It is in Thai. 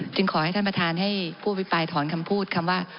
ขอให้ท่านประธานให้ผู้อภิปรายถอนคำพูดคำว่า